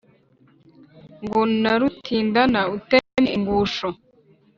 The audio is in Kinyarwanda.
Ngo narutindana uteme* ingusho.